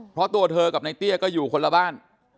เพราะตัวเธอกับในเตี้ยก็อยู่คนละบ้าน